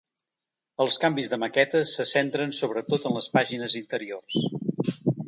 Els canvis de maqueta se centren sobretot en les pàgines interiors.